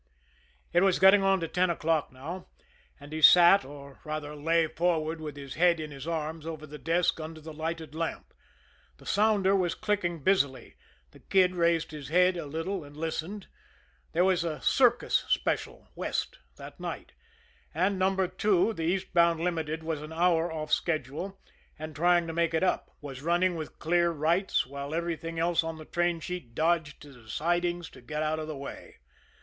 It was getting on to ten o'clock now, and he sat, or, rather, lay forward with his head in his arms over the desk under the lighted lamp. The sounder was clicking busily; the Kid raised his head a little, and listened. There was a Circus Special, west, that night, and No. 2, the eastbound Limited, was an hour off schedule, and, trying to make it up, was running with clear rights while everything else on the train sheet dodged to the sidings to get out of the way.